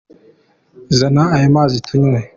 Zana ayo mazi tunywe.